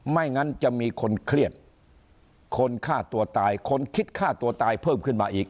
ไม่งั้นจะมีคนเครียดคนฆ่าตัวตายคนคิดฆ่าตัวตายเพิ่มขึ้นมาอีก